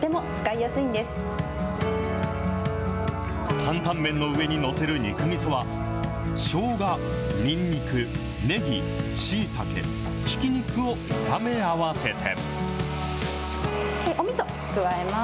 タンタン麺の上に載せる肉みそは、しょうが、にんにく、ねぎ、しいたけ、ひき肉を炒め合わせて。